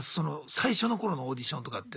最初の頃のオーディションとかって。